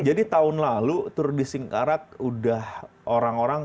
jadi tahun lalu tour de singkarak udah orang orang